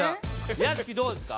屋敷どうですか？